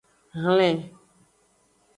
Hlen.